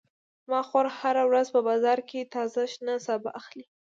زما خور هره ورځ په بازار کې تازه شنه سابه اخلي